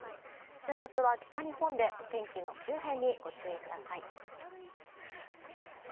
週末は北日本で天気の急変にご注意ください。